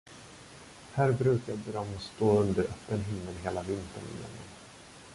Här brukade de stå under öppen himmel hela vintern igenom.